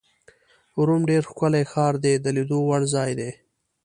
روم ډېر ښکلی ښار دی، د لیدو وړ ځای دی.